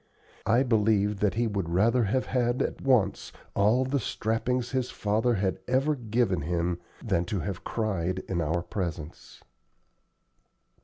I believe that he would rather have had at once all the strappings his father had ever given him than to have cried in our presence.